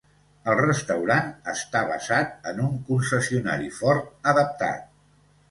El restaurant està basat en un concessionari Ford adaptat.